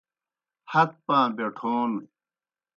ہت پاں بیٹھون